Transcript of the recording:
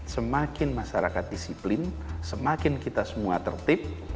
semakin masyarakat disiplin semakin kita semua tertib